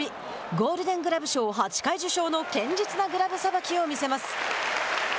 ゴールデングラブ賞８回受賞の堅実なグラブさばきを見せます。